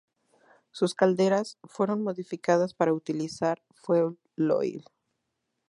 Sus calderas, fueron modificadas para utilizar fueloil.